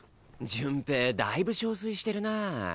潤平だいぶ憔悴してるなぁ。